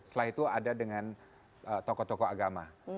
setelah itu ada dengan tokoh tokoh agama